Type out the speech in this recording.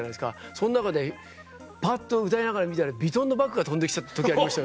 その中でぱっと歌いながら見たらヴィトンのバッグが飛んで来た時ありまして。